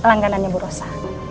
pelangganannya bu rosa